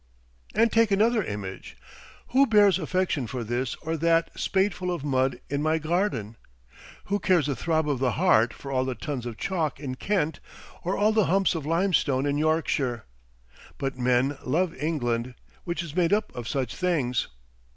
And take another image. ... Who bears affection for this or that spadeful of mud in my garden? Who cares a throb of the heart for all the tons of chalk in Kent or all the lumps of limestone in Yorkshire? But men love England, which is made up of such things.